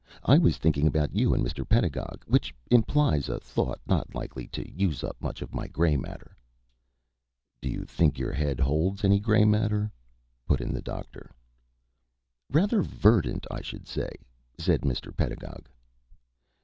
"I was thinking about you and Mr. Pedagog which implies a thought not likely to use up much of my gray matter." "Do you think your head holds any gray matter?" put in the Doctor. "Rather verdant, I should say," said Mr. Pedagog.